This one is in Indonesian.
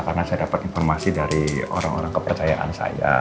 karena saya dapat informasi dari orang orang kepercayaan saya